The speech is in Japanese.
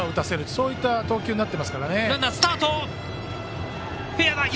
そういった投球になってますね。